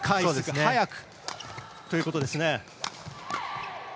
速くということですね。